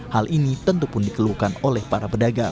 hal ini tentupun dikeluhkan oleh para pedagang